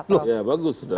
ya bagus dong